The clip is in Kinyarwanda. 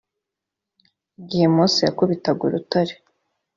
igihe mose yakubitaga urutare